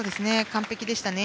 完璧でしたね。